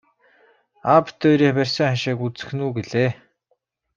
Аав бид хоёрын барьсан хашааг үзэх нь үү гэлээ.